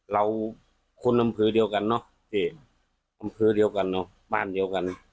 เราคนลำพื้นเดียวกันเนาะลำพื้นเดียวกันเนาะบ้านเดียวกัน